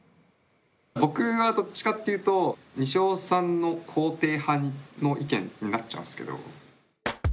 僕はどっちかっていうとにしおさんの肯定派の意見になっちゃうんですけど。